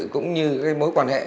cũng như cái mối quan hệ